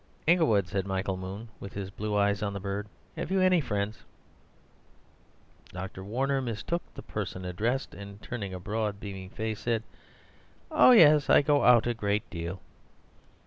"Inglewood," said Michael Moon, with his blue eye on the bird, "have you any friends?" Dr. Warner mistook the person addressed, and turning a broad beaming face, said,— "Oh yes, I go out a great deal."